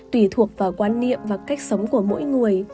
tùy thuộc vào quan niệm và cách sống của mỗi người